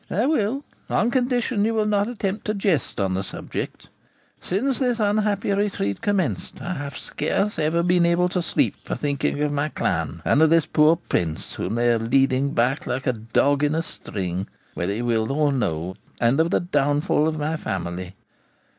'I will, on condition you will not attempt a jest on the subject. Since this unhappy retreat commenced I have scarce ever been able to sleep for thinking of my clan, and of this poor Prince, whom they are leading back like a dog in a string, whether he will or no, and of the downfall of my family.